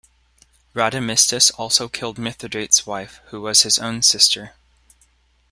Rhadamistus also killed Mithridates' wife, who was his own sister.